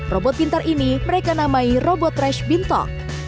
robot pintar ini mereka namai robot ration